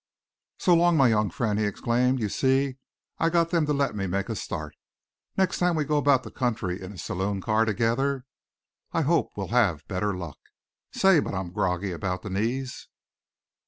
"So long, my young friend!" he exclaimed. "You see, I've got them to let me make a start. Next time we go about the country in a saloon car together, I hope we'll have better luck. Say, but I'm groggy about the knees!"